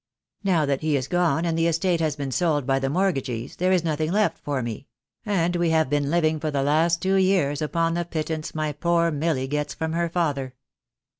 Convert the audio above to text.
Now that he is gone, and the estate has been sold by the mortgagees, there is nothing left for me — and we have been living for the last two years upon the pittance my poor Milly gets from her father.